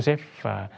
và chuyển hành